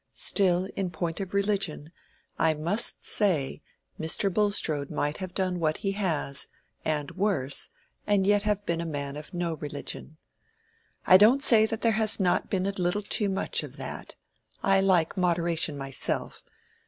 Still, in point of religion, I must say, Mr. Bulstrode might have done what he has, and worse, and yet have been a man of no religion. I don't say that there has not been a little too much of that—I like moderation myself.